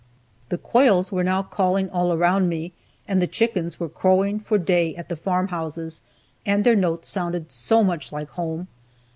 The quails were now calling all around me, and the chickens were crowing for day at the farm houses, and their notes sounded so much like home!